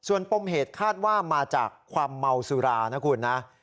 ส่วนปมเหตุคาดว่ามาจากความเมาสุรานะคุณนะ